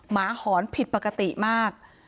หอนผิดปกติมาก